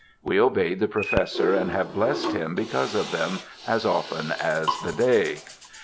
We obeyed the Professor and have blessed him because of them, as often as the day.